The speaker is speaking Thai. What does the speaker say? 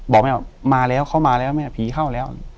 บอกแม่ว่ามาแล้วเขามาแล้วแม่ผีเข้าแล้ว